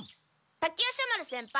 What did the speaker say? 滝夜叉丸先輩